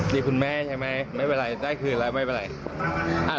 ดีคุณแม่ใช่ไหมได้คืนแล้วไม่เป็นไร